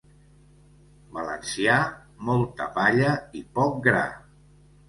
Valencià, molta palla i poc gra.